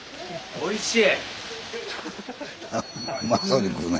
おいしい！